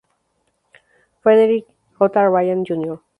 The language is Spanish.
Frederick J. Ryan Jr.